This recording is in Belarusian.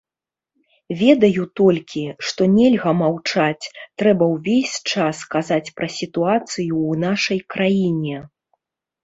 Ведаю толькі, што нельга маўчаць, трэба ўвесь час казаць пра сітуацыю ў нашай краіне.